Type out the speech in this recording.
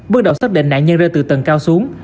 bước đầu xác định nạn nhân rơi từ tầng cao xuống